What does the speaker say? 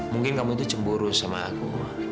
mungkin kamu itu cemburu sama aku